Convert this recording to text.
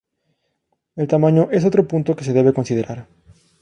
El tamaño es otro punto que se debe considerar.